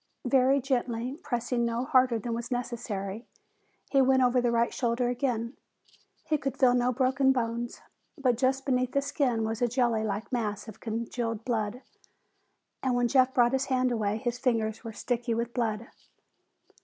Very gently, pressing no harder than was necessary, he went over the right shoulder again. He could feel no broken bones, but just beneath the skin was a jelly like mass of congealed blood, and when Jeff brought his hand away his fingers were sticky with blood.